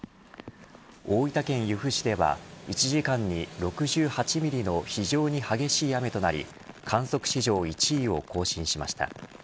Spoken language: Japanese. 大分県由布市では１時間に６８ミリの非常に激しい雨となり観測史上１位を更新しました。